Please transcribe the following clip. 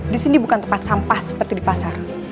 di sini bukan tempat sampah seperti di pasar